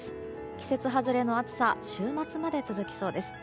季節外れの暑さ週末まで続きそうです。